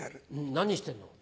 何してんの？